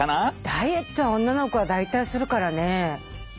ダイエットは女の子は大体するからね。